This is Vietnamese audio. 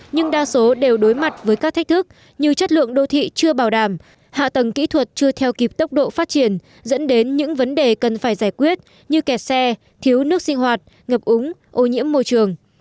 nhưng đa số đều đối mặt với các thách thức như chất lượng đô thị chưa bảo đảm hạ tầng kỹ thuật chưa theo kịp tốc độ phát triển dẫn đến những vấn đề cần phải giải quyết như kẹt xe thiếu nước sinh hoạt ngập úng ô nhiễm môi trường